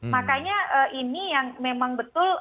makanya ini yang memang betul